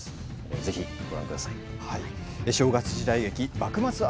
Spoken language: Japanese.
ぜひ、ご覧ください。